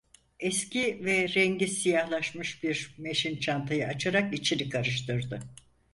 Eski ve rengi siyahlaşmış bir meşin çantayı açarak içini karıştırdı.